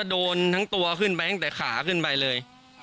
โดนทั้งตัวขึ้นไปตั้งแต่ขาขึ้นไปเลย